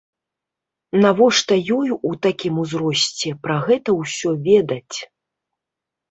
Навошта ёй у такім узросце пра гэта ўсё ведаць?